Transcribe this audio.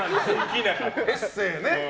エッセーね。